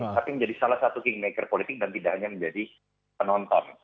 tapi menjadi salah satu kingmaker politik dan tidak hanya menjadi penonton